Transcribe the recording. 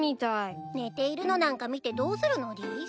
寝ているのなんか見てどうするのでぃす？